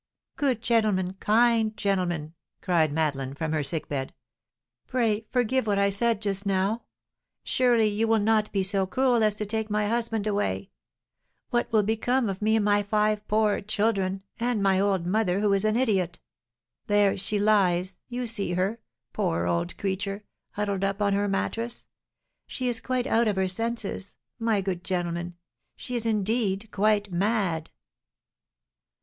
"Good gentlemen, kind gentlemen," cried Madeleine, from her sick bed, "pray forgive what I said just now! Surely you will not be so cruel as to take my husband away; what will become of me and my five poor children, and my old mother, who is an idiot? There she lies; you see her, poor old creature, huddled up on her mattress; she is quite out of her senses, my good gentlemen; she is, indeed, quite mad!"